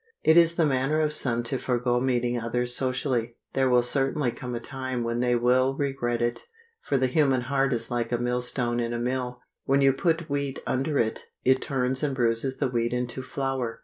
It is the manner of some to forego meeting others socially. There will certainly come a time when they will regret it; for the human heart is like a millstone in a mill: When you put wheat under it, it turns and bruises the wheat into flour.